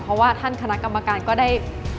เพราะว่าท่านคณะกรรมการก็ได้